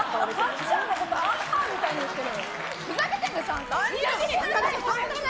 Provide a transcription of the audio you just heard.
たっちゃんのこと、あっはーみたいに言ってる。